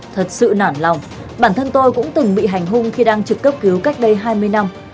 thật sự nản lòng bản thân tôi cũng từng bị hành hung khi đang trực cấp cứu cách đây hai mươi năm